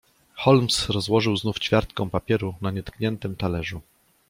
"Holmes rozłożył znów ćwiartkę papieru na nietkniętym talerzu."